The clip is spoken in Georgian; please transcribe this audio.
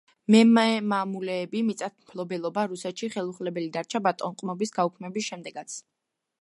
მემამულური მიწათმფლობელობა რუსეთში ხელუხლებელი დარჩა ბატონყმობის გაუქმების შემდეგაც.